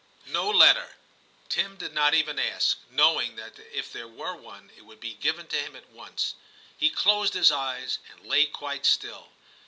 no letter. Tim did not even ask, knowing that if there were one, it would be given to him at once. He closed his eyes and lay quite still.